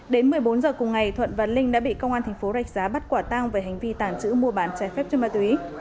đến một mươi bốn h cùng ngày thuận và linh đã bị công an thành phố rạch giá bắt quả tang về hành vi tàng trữ mua bán trái phép chất ma túy